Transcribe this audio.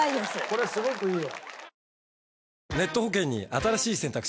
これすごくいいよ。